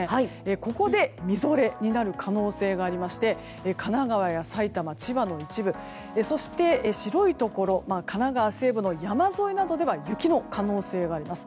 ここで、みぞれになる可能性がありまして神奈川や埼玉、千葉の一部そして白いところ神奈川西部の山沿いなどでは雪の可能性があります。